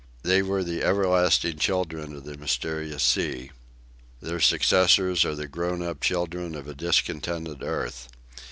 They were the everlasting children of the mysterious sea. Their successors are the grown up children of a discontented earth.